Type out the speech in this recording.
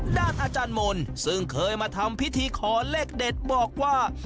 อาจารย์มนต์ซึ่งเคยมาทำพิธีขอเลขเด็ดบอกว่า